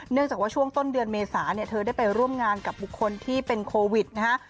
จากว่าช่วงต้นเดือนเมษาเนี่ยเธอได้ไปร่วมงานกับบุคคลที่เป็นโควิดนะฮะ